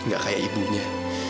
gak kayak ibunya